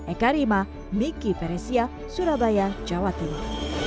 eka rima miki feresia surabaya jawa tengah